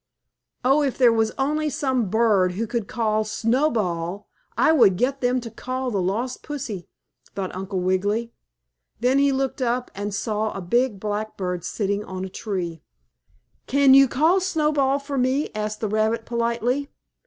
"Oh, if there was only some bird who could call 'Snowball' I would get them to call for the lost pussy," thought Uncle Wiggily. Then he looked up and he saw a big black bird sitting on a tree. "Can you call 'Snowball' for me?" asked the rabbit, politely.